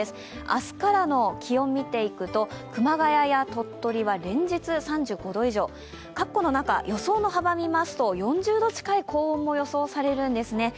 明日からの気温見ていきますと、熊谷や鳥取は連日３５度以上括弧の中、予想の幅を見ますと４０度近い高温も予想されるんですね。